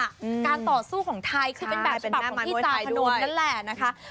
การต่อสู้ของไทยคือเป็นแบบฉบับของพี่จาธนนท์นั่นแหละนะคะ